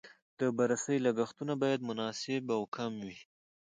د بررسۍ لګښتونه باید مناسب او کم وي.